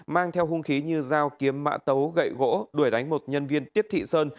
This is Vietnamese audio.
mang theo hung khí như dao kiếm mã tấu gậy gỗ đuổi đánh một nhân viên tiếp thị sơn